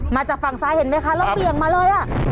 มาจากฝั่งซ้ายเห็นไหมคะแล้วเบี่ยงมาเลย